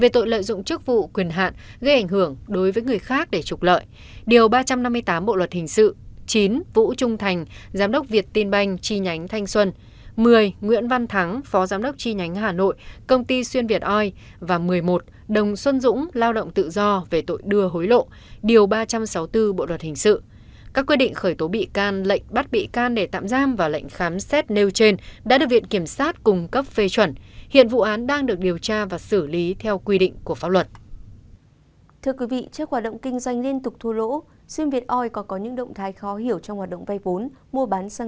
trước hoạt động kinh doanh liên tục thua lỗ xuyên việt oil còn có những động thái khó hiểu trong hoạt động vây vốn mua bán xăng dầu